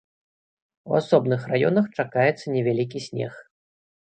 У асобных раёнах чакаецца невялікі снег.